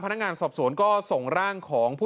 เฮ้ยเฮ้ยเฮ้ย